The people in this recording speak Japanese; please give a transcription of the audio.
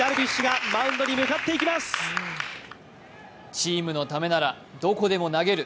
チームのためならどこでも投げる。